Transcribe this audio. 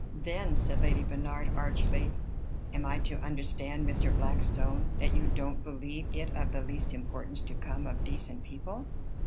"Then," said Lady Bernard archly, "am I to understand, Mr. Blackstone, that you don't believe it of the least importance to come of decent people?"